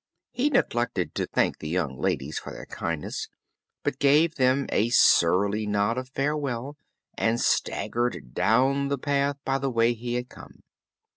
He neglected to thank the young ladies for their kindness, but gave them a surly nod of farewell and staggered down the path by the way he had come.